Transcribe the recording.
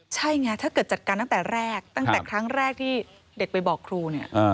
ใช่ไงถ้าเกิดจัดการตั้งแต่แรกตั้งแต่ครั้งแรกที่เด็กไปบอกครูเนี่ย